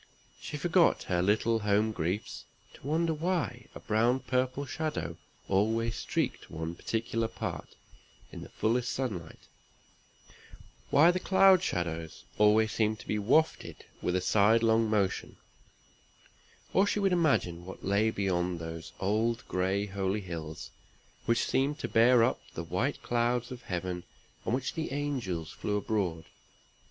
She forgot her little home griefs to wonder why a brown purple shadow always streaked one particular part in the fullest sunlight; why the cloud shadows always seemed to be wafted with a sidelong motion; or she would imagine what lay beyond those old gray holy hills, which seemed to bear up the white clouds of Heaven on which the angels flew abroad.